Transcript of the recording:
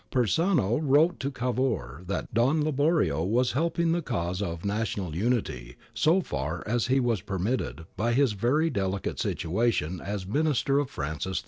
Persano wrote to Cavour that Don Liborio was helping the cause of national unity ' so far as he was permitted by his very delicate situation ' as Minister of Francis 11.